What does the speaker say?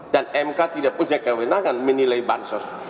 dan mk tidak berwenang menilai bansos